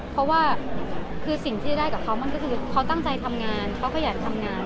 เพราะว่าคือสิ่งที่จะได้กับเขามันก็คือเขาตั้งใจทำงานเขาก็อยากทำงาน